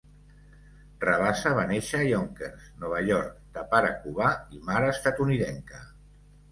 Rabassa va néixer a Yonkers, Nova York, de pare cubà i mare estatunidenca.